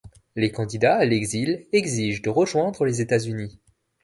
Les candidats à l'exil exigent de rejoindre les États-Unis.